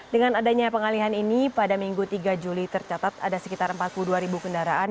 dengan adanya pengalihan ini pada minggu tiga juli tercatat ada sekitar empat puluh dua ribu kendaraan